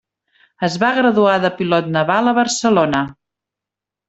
Es va graduar de pilot naval a Barcelona.